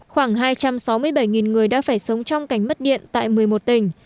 khoảng hai trăm sáu mươi bảy người đã phải sống trong cảnh mất điện tại một mươi một tỉnh